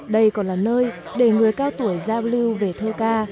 đây còn là nơi để người cao tuổi giao lưu về thơ ca